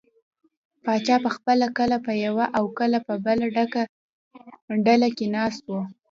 پاچا به پخپله کله په یوه او کله بله ډله کې ناست و.